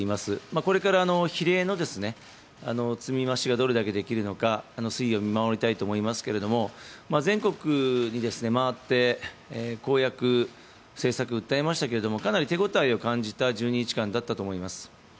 これから比例の積み増しがどれだけできるのか推移を見守りたいと思いますけれども、全国に回って公約・政策訴えましたけれども、かなり手応えを感じた１２日間だったと思います。